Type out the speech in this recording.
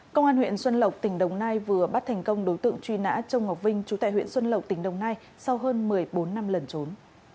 công an huyện xuân lộc tỉnh đồng nai vừa bắt thành công đối tượng truy nã trông ngọc vinh chú tại huyện xuân lộc tỉnh đồng nai sau hơn một mươi bốn năm lần trốn